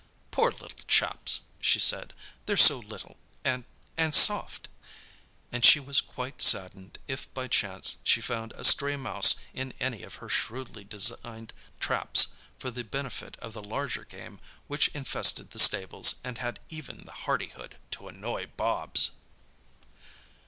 "Poor little chaps!" she said; "they're so little—and—and soft!" And she was quite saddened if by chance she found a stray mouse in any of her shrewdly designed traps for the benefit of the larger game which infested the stables and had even the hardihood to annoy Bobs!